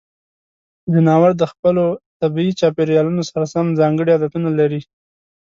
ځناور د خپلو طبیعي چاپیریالونو سره سم ځانګړې عادتونه لري.